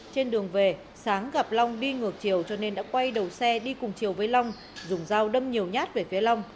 trên đường về sáng gặp long đi ngược chiều cho nên đã quay đầu xe đi cùng chiều với long dùng dao đâm nhiều nhát về phía long